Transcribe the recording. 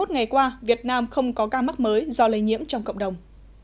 hai mươi ngày qua việt nam không có ca mắc mới do lây nhiễm trong cộng đồng